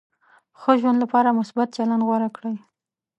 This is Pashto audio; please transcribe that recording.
ښه ژوند لپاره مثبت چلند غوره کړئ.